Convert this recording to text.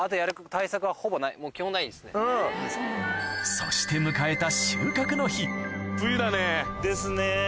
そして迎えた収穫の日冬だね。ですね。